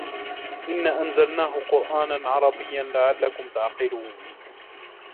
إِنَّا أَنْزَلْنَاهُ قُرْآنًا عَرَبِيًّا لَعَلَّكُمْ تَعْقِلُونَ